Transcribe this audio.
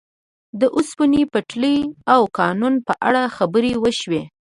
د اوسپنې پټلۍ او قانون په اړه خبرې وشوې.